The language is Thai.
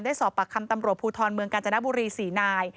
สอบปากคำตำรวจภูทรเมืองกาญจนบุรี๔นาย